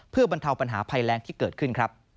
เพื่อบรรเทาปัญหาภัยแรงที่เกิดขึ้นครับ